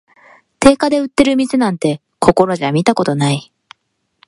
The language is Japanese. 定価で売ってる店なんて、ここらじゃ見たことない